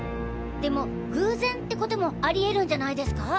でも偶然ってこともありえるんじゃないですか？